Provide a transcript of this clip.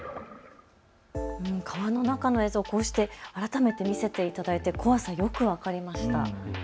川の中の映像、こうして改めて見せていただいて怖さ、よく分かりました。